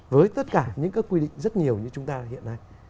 với tất cả những các quy định rất nhiều như chúng ta hiện nay